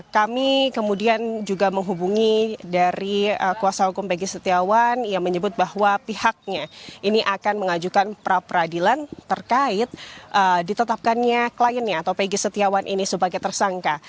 kami kemudian juga menghubungi dari kuasa hukum peggy setiawan yang menyebut bahwa pihaknya ini akan mengajukan pra peradilan terkait ditetapkannya kliennya atau pegi setiawan ini sebagai tersangka